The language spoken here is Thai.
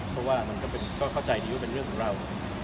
เพราะว่ามันก็เข้าใจดีว่าเป็นเรื่องของเรา